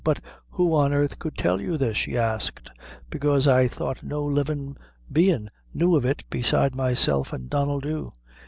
"But who on earth could tell you this?" she asked; "bekaise I thought no livin' bein' knew of it but myself and Donnel Dhu."